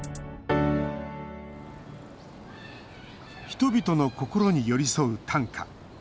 人々の心に寄り添う短歌。